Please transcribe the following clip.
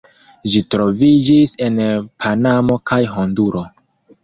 Ĝi troviĝis en Panamo kaj Honduro.